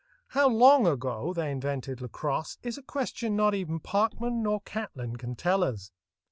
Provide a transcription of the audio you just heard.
How long ago they invented lacrosse is a question not even Parkman nor Catlin can tell us.